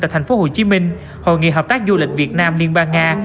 tại thành phố hồ chí minh hội nghị hợp tác du lịch việt nam liên bang nga